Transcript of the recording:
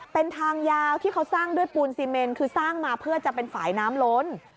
เป็นทางยาวที่เขาสร้างด้วยปูนซีเมนคือสร้างมาเพื่อจะเป็นฝ่ายน้ำล้น